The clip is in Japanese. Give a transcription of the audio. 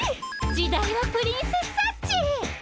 「時代はプリンセスサッチー！」。